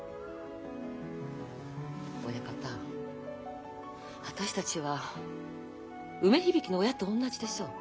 親方私たちは梅響の親と同じでしょう。